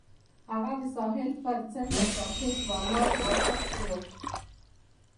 هغه د ساحل پر څنډه ساکت ولاړ او فکر وکړ.